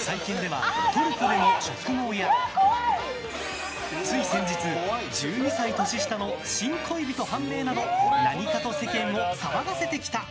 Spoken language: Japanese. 最近ではトルコでの植毛やつい先日１２歳年下の新恋人判明など何かと世間を騒がせてきた。